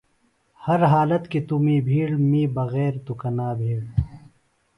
ہر حالت کی توۡ می بِھیڑ می بغیر توۡ کنا بِھیڑ۔